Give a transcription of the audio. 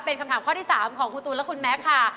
เป็นคำถามข้อที่๓ของคุณตูนและคุณแม็กซ์ค่ะ